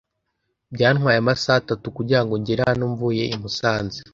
Byantwaye amasaha atatu kugirango ngere hano mvuye i Musanze.